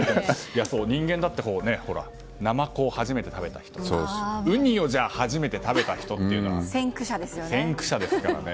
人間だってナマコを初めて食べた人ウニを初めて食べた人っていうのは先駆者ですからね。